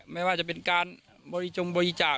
ไม่ว่าจะเป็นการบริจงบริจาค